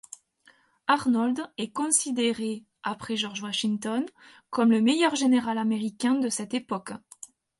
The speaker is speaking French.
Arnold est considéré, après George Washington, comme le meilleur général américain de cette époque.